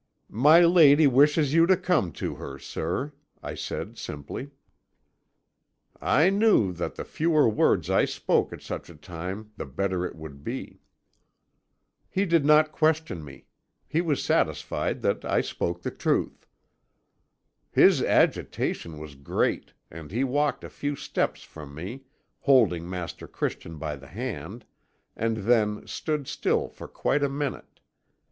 "'My lady wishes you to come to her, sir,' I said simply. "I knew that the fewer words I spoke at such a time the better it would be. "He did not question me. He was satisfied that I spoke the truth. "His agitation was great, and he walked a few steps from me, holding Master Christian by the hand, and then stood still for quite a minute.